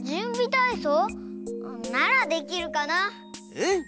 うん。